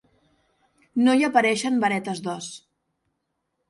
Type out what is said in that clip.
No hi apareixen varetes d'os.